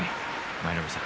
舞の海さん。